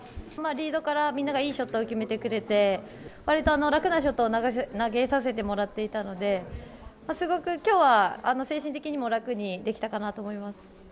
リードから、みんながいいショットを決めてくれて、わりと楽なショットを投げさせてもらっていたので、すごくきょうは、精神的にも楽にできたかなと思います。